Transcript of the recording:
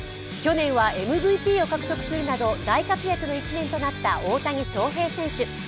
去年はＭＶＰを獲得するなど大活躍の１年となった大谷翔平選手